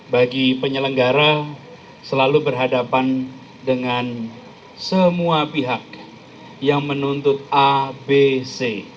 bagi penyelenggara selalu berhadapan dengan semua pihak yang menuntut abc